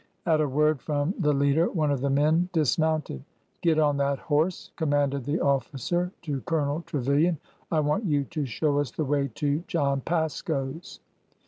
At a word from the leader one of the men dismounted. Get on that horse," commanded the officer to Colonel Trevilian. '' I want you to show us the way to John Pasco's."